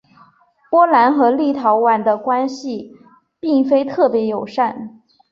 波兰和立陶宛的关系并非特别友善。